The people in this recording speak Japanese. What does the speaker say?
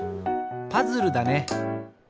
パズルだね。